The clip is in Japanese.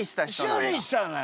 修理したのよ。